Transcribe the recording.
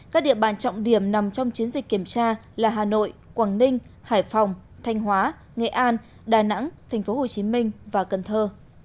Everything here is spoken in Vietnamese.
các địa bàn trọng điểm nằm trong chiến dịch kiểm tra là hà nội quảng ninh hải phòng thanh hóa nghệ an đà nẵng tp hcm và cần thơ